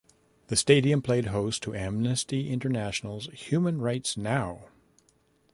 The stadium played host to Amnesty International's Human Rights Now!